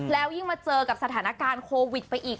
แล้วยิ่งมาเจอกับสถานการณ์โควิดไปอีก